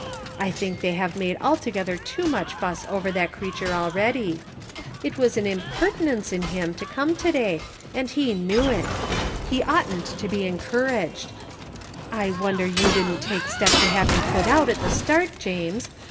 I think they have made altogether too much fuss over that creature already. It was an impertinence in him to come to day and he knew it. He oughtn't to be encouraged. I wonder you didn't take steps to have him put out at the start, James.